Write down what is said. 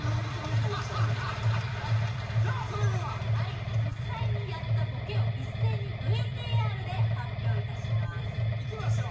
さあそれでははい実際にやったボケを一斉にＶＴＲで発表いたしますいきましょう